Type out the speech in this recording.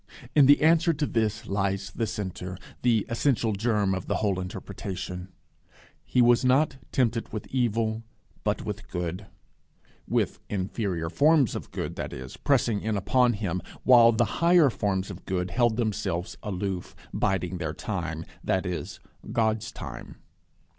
In the answer to this lies the centre, the essential germ of the whole interpretation: He was not tempted with Evil but with Good; with inferior forms of good, that is, pressing in upon him, while the higher forms of good held themselves aloof, biding their time, that is, God's time.